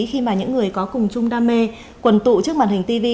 khi mà những người có cùng chung đam mê quần tụ trước màn hình tv